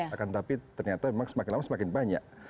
akan tapi ternyata memang semakin lama semakin banyak